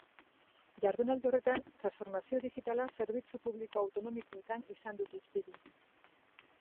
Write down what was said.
Jardunaldi horretan, transformazio digitala zerbitzu publiko autonomikoetan izan dute hizpide.